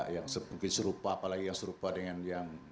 yang mungkin serupa apalagi yang serupa dengan yang